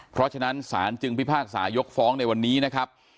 เพราะฉะนั้นศาลจึงพิพากษายกฟ้องในวันนี้นะครับ